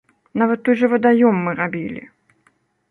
Нават той жа вадаём мы рабілі.